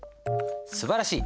すばらしい！